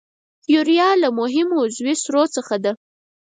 یوریا له مهمو عضوي سرو څخه ده.